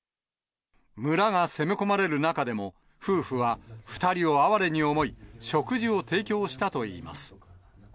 村が攻め込まれる中でも、夫婦は２人を哀れに思い、食事を提供したといいます。